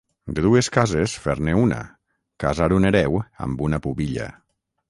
De dues cases fer-ne una: casar un hereu amb una pubilla.